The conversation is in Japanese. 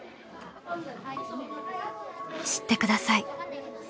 知ってください。